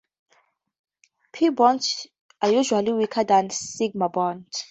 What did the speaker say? Pi bonds are usually weaker than sigma bonds.